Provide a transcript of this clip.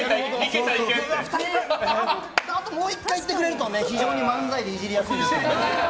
あともう１回いってくれると非常に漫才でイジりやすいんですよね。